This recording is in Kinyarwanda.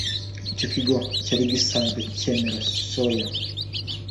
Icyo kigo cyari gisanzwe cyemera Soya